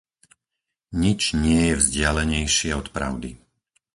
Nič nie je vzdialenejšie od pravdy.